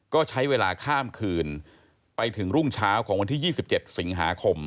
ก็ใช้เวลาข้ามคืนไปถึงรุ่งเช้าของวันที่๒๗สิงหาคม